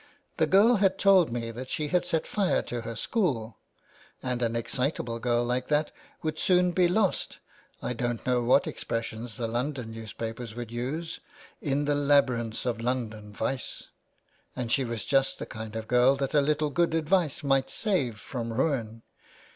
The girl had told me that she had set fire to her school, and an excitable girl like that would soon be lost — I don't know what expres sion the newspapers would use —' in the labyrinths of London vice,' she was just the kind of girl that a little good advice might save from ruin.